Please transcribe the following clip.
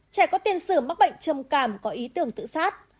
trẻ có tiền sử mắc bệnh trầm cảm có ý tưởng tự sát